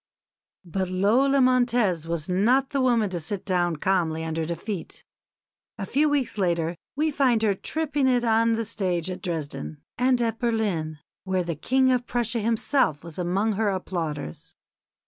But Lola Montez was not the woman to sit down calmly under defeat. A few weeks later we find her tripping it on the stage at Dresden, and at Berlin, where the King of Prussia himself was among her applauders.